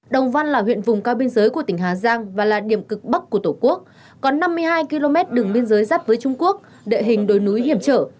đồng văn là huyện vùng cao biên giới của tỉnh hà giang và là điểm cực bắc của tổ quốc có năm mươi hai km đường biên giới giáp với trung quốc địa hình đồi núi hiểm trở